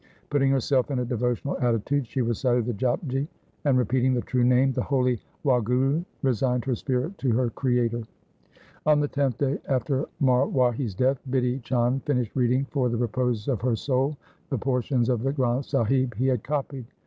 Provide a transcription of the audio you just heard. Putting herself in a devotional attitude she recited the Japji, and repeating the true Name, the holy Wahguru, re signed her spirit to her Creator. On the tenth day after Marwahi's death Bidhi Chand finished reading for the repose of her soul the portions of the Granth Sahib he had copied.